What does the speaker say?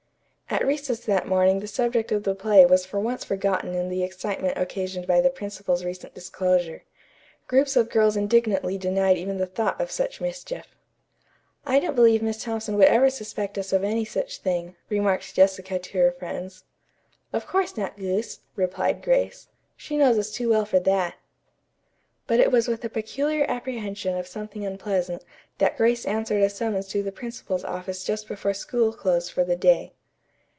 At recess that morning the subject of the play was for once forgotten in the excitement occasioned by the principal's recent disclosure. Groups of girls indignantly denied even the thought of such mischief. "I don't believe Miss Thompson would ever suspect us of any such thing," remarked Jessica to her friends. "Of course not, goose," replied Grace. "She knows us too well for that." But it was with a peculiar apprehension of something unpleasant that Grace answered a summons to the principal's office just before school closed for the day.